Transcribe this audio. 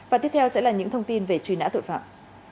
và tiếp theo sẽ là những thông tin về truy nã tội phạm